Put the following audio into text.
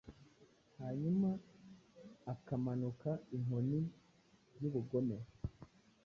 Hanyuma akamanuka inkoni y'ubugome.